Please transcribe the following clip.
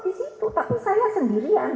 di situ tapi saya sendirian